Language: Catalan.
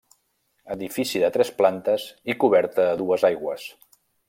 Edifici de tres plantes i coberta a dues aigües.